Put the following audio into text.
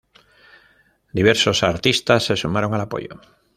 Diversos artistas se sumaron al apoyo.